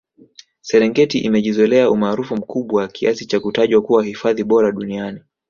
serengeti imejizolea umaarufu mkubwa kiasi cha kutajwa kuwa hifadhi bora duniani